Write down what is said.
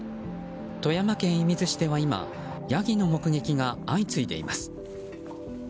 富山県射水市では今ヤギの目撃が相次いでいます。